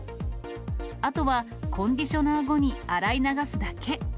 あとはコンディショナー後に洗い流すだけ。